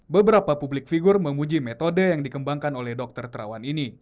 beberapa publik figur memuji metode yang dikembangkan oleh dokter terawan ini